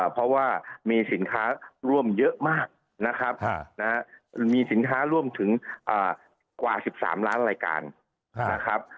เพราะว่ามีสินค้าร่วมเยอะมากนะครับมีสินค้าร่วมถึงกว่า๑๓ล้านรายการนะครับ